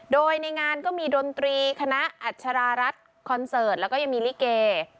โดยในงานก็มีดนตรีคณะอัชรารัฐคอนเสิร์ตแล้วก็ยังมีลิเก